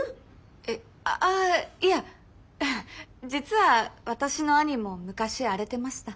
えああいや実は私の兄も昔荒れてました。